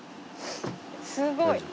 すごい。